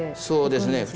そうですね。